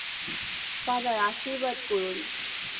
Father, আশীর্বাদ করুন।